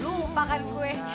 jadi lu mumpah kan gue